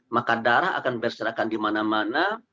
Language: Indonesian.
maka darah akan berserakan di mana mana